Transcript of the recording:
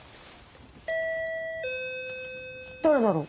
誰だろう？